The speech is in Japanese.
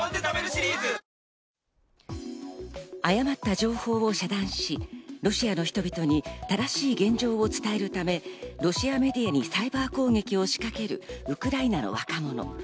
誤った情報を遮断し、ロシアの人々に正しい現状を伝えるためロシアメディアにサイバー攻撃を仕掛けるウクライナの若者。